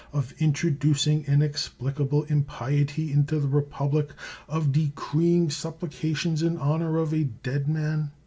of introducing inex plicable impiety into the republic? of decreeing supplications in honor of a dead man?